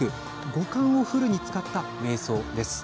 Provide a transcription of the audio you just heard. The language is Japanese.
五感をフルに使った瞑想です。